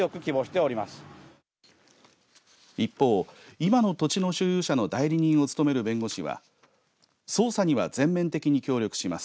今の土地の所有者の代理人を務める弁護士は捜査には全面的に協力します。